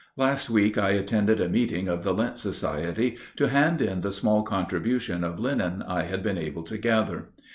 Last week I attended a meeting of the lint society to hand in the small contribution of linen I had been able to gather.